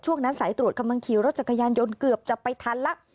นั้นสายตรวจกำลังขี่รถจักรยานยนต์เกือบจะไปทันแล้ว